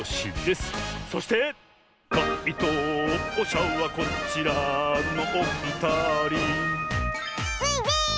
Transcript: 「かいとうしゃはこちらのおふたり」スイです！